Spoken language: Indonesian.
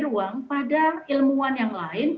ruang pada ilmuwan yang lain